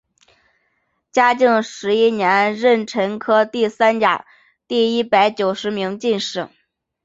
嘉靖十一年壬辰科第三甲第一百九十名进士。